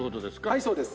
はいそうです。